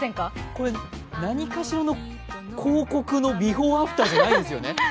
これ、何かしらの広告のビフォー・アフターじゃないですよね？